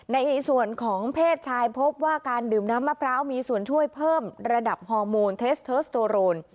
ในส่วนของเพศชายพบว่าการดื่มน้ำมะพร้าวมีส่วนช่วยเพิ่มระดับฮอร์โมนเทสเทิร์สโตโรน